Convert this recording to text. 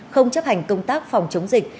không chấp hành công tác phòng chống dịch